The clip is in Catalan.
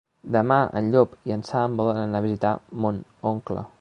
Demà en Llop i en Sam volen anar a visitar mon oncle.